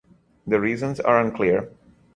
The reasons are unclear.